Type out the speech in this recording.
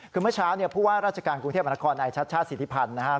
คือเมื่อเช้าราชการกรุงเทพอรักษณ์อายชัชชาศสิทธิพันธ์นะครับ